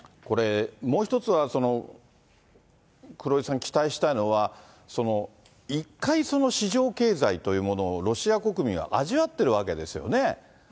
これ、もう一つは、黒井さん、期待したいのは、一回、市場経済というものをロシア国民は味わっているわけですよね。